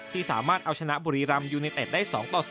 ที่สามารถเอาชนะบุรีรำยูเนเต็ดได้๒ต่อ๐